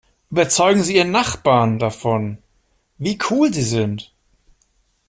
Überzeugen Sie Ihren Nachbarn davon, wie cool Sie sind!